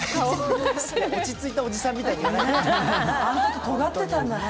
落ち着いたおじさんみたいに言わないで。